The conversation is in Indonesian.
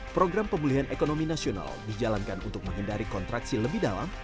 program pemulihan ekonomi nasional dijalankan untuk menghindari kontraksi lebih dalam